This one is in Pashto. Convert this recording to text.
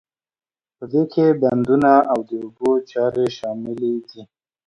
په دې کې بندونه او د اوبو چارې شاملې دي.